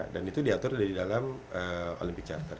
dan itu diatur di dalam olympic charter